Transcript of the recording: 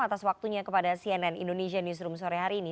atas waktunya kepada cnn indonesia newsroom sore hari ini